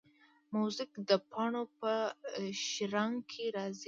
موزیک د پاڼو په شرنګ کې راځي.